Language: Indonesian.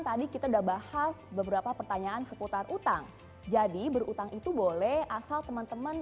tadi kita udah bahas beberapa pertanyaan seputar utang jadi berutang itu boleh asal teman teman